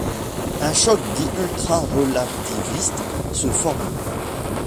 Un choc dit ultra-relativiste se forme.